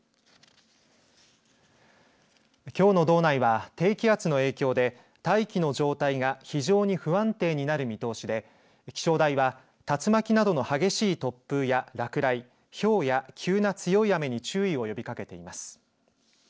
きょうの道内は低気圧の影響で大気の状態が非常に不安定になる見通しで気象台は竜巻などの激しい突風や落雷ひょうや急な強い雨に注意を呼びかけています。